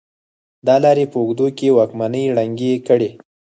د لارې په اوږدو کې واکمنۍ ړنګې کړې.